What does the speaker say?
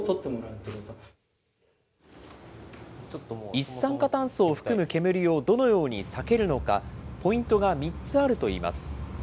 一酸化炭素を含む煙をどのように避けるのか、ポイントが３つあるといいます。